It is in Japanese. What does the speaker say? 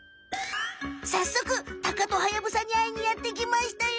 さっそくタカとハヤブサにあいにやってきましたよ！